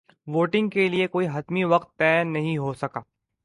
voting کے لیے کوئی حتمی وقت طے نہیں ہو سکا